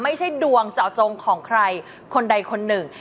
ไม่ใช่ดวงเจาะจงของใครคนใดคนหนึ่ง